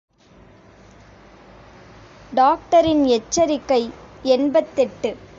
டாக்டரின் எச்சரிக்கை எண்பத்தெட்டு.